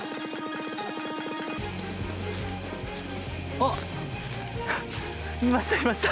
あ、いました、いました。